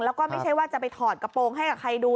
แล้วก็ไม่ใช่ว่าจะไปถอดกระโปรงให้กับใครดู